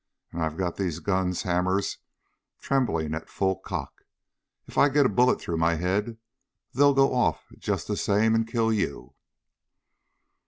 And I've got these guns' hammers trembling at full cock. If I get a bullet through my head, they'll go off just the same and kill you."